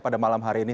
pada malam hari ini